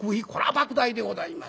ばく大でございます。